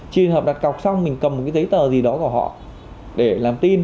trường hợp đặt cọc xong mình cầm một cái giấy tờ gì đó của họ để làm tin